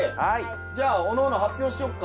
じゃあおのおの発表しよっか。